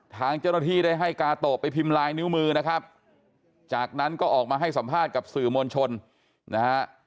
ทางเจ้าหน้าที่ได้ให้กาโตะไปพิมพ์ลายนิ้วมือนะครับจากนั้นก็ออกมาให้สัมภาษณ์กับสื่อมวลชนนะฮะ